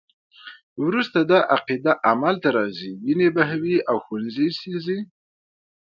وروسته دا عقیده عمل ته راځي، وینې بهوي او ښوونځي سیزي.